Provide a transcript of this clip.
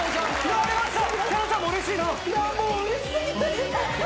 やりました！